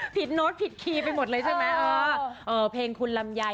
ผิดน้องผิดคีไปหมดเลยชัดไหมเอ่อเออเพลงคุณลำใย